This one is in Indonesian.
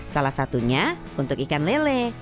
salah satunya untuk ikan lele